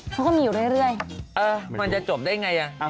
เขาก็มีอยู่เรื่อยเออมันจะจบได้ไงอ่ะ